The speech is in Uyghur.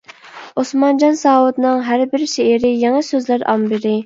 ئوسمانجان ساۋۇتنىڭ ھەربىر شېئىرى يېڭى سۆزلەر ئامبىرى.